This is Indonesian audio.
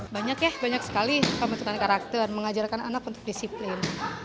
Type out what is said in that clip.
banyak ya banyak sekali pembentukan karakter mengajarkan anak untuk disiplin